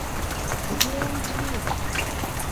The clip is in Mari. Тыге ынже лий!..